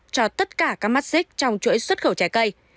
cho tất cả các mắt xích trong chuỗi xuất khẩu trái cây